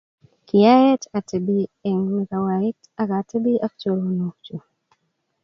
kiaet atebii Eng' mikawait akatebii ak choronk chu